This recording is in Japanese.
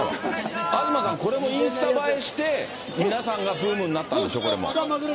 東さん、これもインスタ映えして、皆さんがブームになったんでしょ、これも。